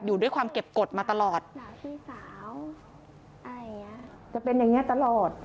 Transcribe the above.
อยู่ด้วยความเก็บกฎมาตลอดสาวจะเป็นอย่างเงี้ยตลอด